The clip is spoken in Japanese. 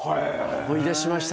思い出しました。